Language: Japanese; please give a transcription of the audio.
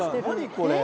これ。